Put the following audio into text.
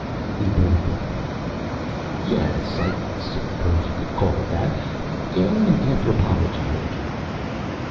He brightened. "Yes. I suppose you could call it that. Alien anthropology major."